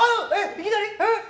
いきなり？